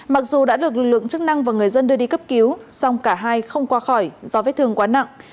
mặc dù đã được lực lượng chức năng và người dân đưa đi cấp cứu xong cả hai không qua khỏi do vết thương quá nặng